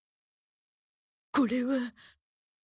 これは。